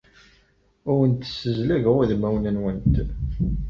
Ur awent-d-ssezlageɣ udmawen-nwent.